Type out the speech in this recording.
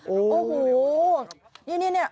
โอ้โหนี่